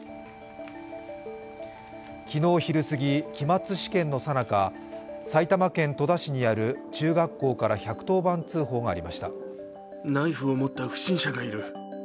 昨日昼すぎ、期末試験のさなか埼玉県戸田市にある中学校から１１０番通報がありました。